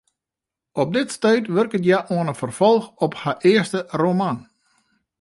Op dit stuit wurket hja oan in ferfolch op har earste roman.